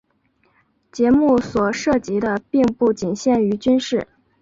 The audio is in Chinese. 节目所涉及的并不仅限于军事。